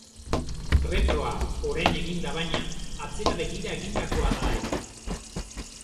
Retroa, orain eginda baina, atzera begira egindakoa da eta.